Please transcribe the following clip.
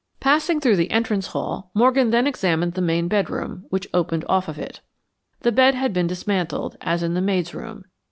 Passing through the entrance hall, Morgan then examined the main bedroom, which opened off of it. The bed had been dismantled, as in the maid's room.